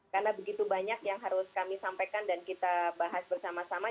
karena begitu banyak yang harus kami sampaikan dan kita bahas bersama sama